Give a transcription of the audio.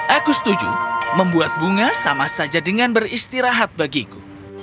aku setuju membuat bunga sama saja dengan beristirahat bagiku